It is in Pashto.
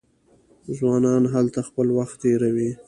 ځوانان هلته خپل وخت تیروي.